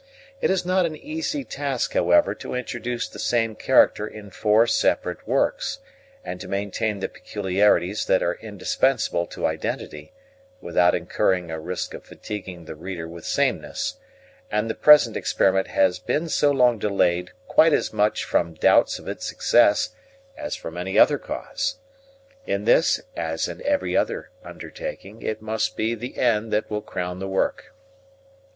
It is not an easy task, however, to introduce the same character in four separate works, and to maintain the peculiarities that are indispensable to identity, without incurring a risk of fatiguing the reader with sameness; and the present experiment has been so long delayed quite as much from doubts of its success as from any other cause. In this, as in every other undertaking, it must be the "end" that will "crown the work."